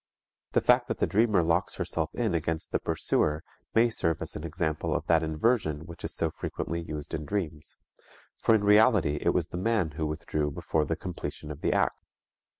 The fact that the dreamer locks herself in against the pursuer may serve as an example of that inversion which is so frequently used in dreams, for in reality it was the man who withdrew before the completion of the act.